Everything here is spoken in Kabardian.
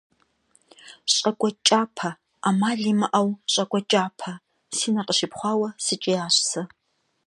ЩӀакӀуэ кӀапэ! Ӏэмал имыӀэу, щӀакӀуэ кӀапэ! – си нэр къыщипхъуауэ сыкӀиящ сэ.